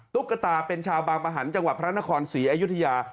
ตุ๊กตาเป็นชาวบางประหันต์จังหวัดพระนครศรีอยุธยา